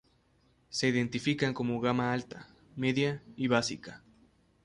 Se identifican como gama alta, media y básica.